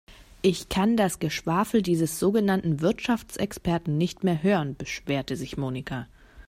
Ich kann das Geschwafel dieses sogenannten Wirtschaftsexperten nicht mehr hören, beschwerte sich Monika.